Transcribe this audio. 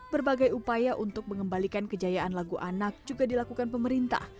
berbagai upaya untuk mengembalikan kejayaan lagu anak juga dilakukan pemerintah